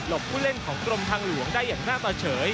ผู้เล่นของกรมทางหลวงได้อย่างหน้าตาเฉย